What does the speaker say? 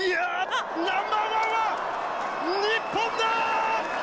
ナンバーワンは、日本だ！